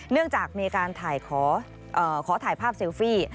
เนื่องจากมีการขอถ่ายภาพเซลฟี่